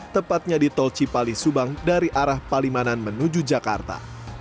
tepatnya di tol cipali subang dari arah palimanan menuju jakarta